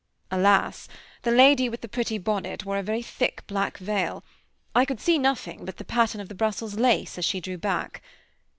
Alas! the lady with the pretty bonnet wore a very thick black veil. I could see nothing but the pattern of the Brussels lace as she drew back.